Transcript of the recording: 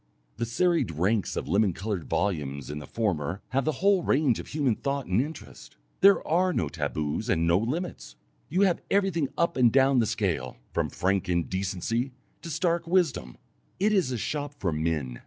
The serried ranks of lemon coloured volumes in the former have the whole range of human thought and interest; there are no taboos and no limits, you have everything up and down the scale, from frank indecency to stark wisdom. It is a shop for men.